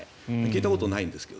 聞いたことないんですね。